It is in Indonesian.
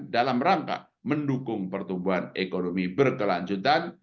dalam rangka mendukung pertumbuhan ekonomi berkelanjutan